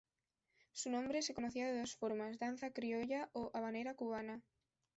Su nombre se conocía de dos formas "danza criolla" o habanera cubana.